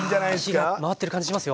火が回ってる感じしますよ。